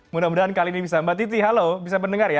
mudah mudahan kali ini bisa mbak titi halo bisa mendengar ya